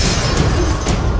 kau akan menang